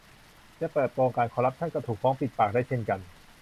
จะเปิดโปงการคอร์รัปชัน ก็ถูก ฟ้องปิดปาก ได้เช่นกัน